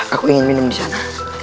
aku ingin minum di sana